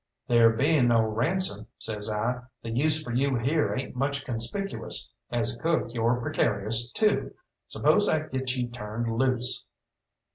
"There being no ransom," says I, "the use for you here ain't much conspicuous. As a cook you're precarious, too. Suppose I get you turned loose?"